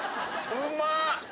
・うまっ！